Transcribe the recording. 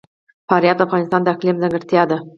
فاریاب د افغانستان د اقلیم ځانګړتیا ده.